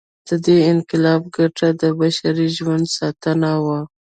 د دې انقلاب ګټه د بشري ژوند ساتنه وه.